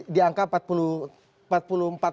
di angka empat puluh empat